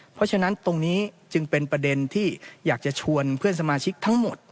เพราะฉะนั้นตรงนี้จึงเป็นประเด็นที่อยากจะชวนเพื่อนสมาชิกทั้งหมด